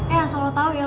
eh asal lo tau ya